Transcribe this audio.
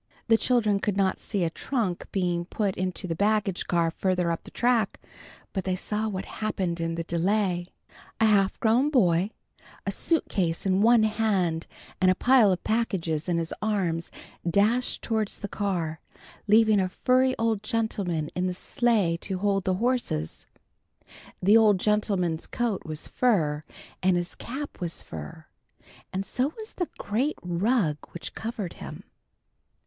The children could not see a trunk being put into the baggage car farther up the track, but they saw what happened in the delay. [Illustration: And ran after the boy as hard as she could go] A half grown boy, a suitcase in one hand and a pile of packages in his arms, dashed towards the car, leaving a furry old gentleman in the sleigh to hold the horses. The old gentleman's coat was fur, and his cap was fur, and so was the great rug which covered him.